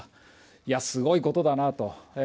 いや、すごいことだなと。